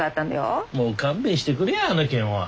もう勘弁してくれやあの件は。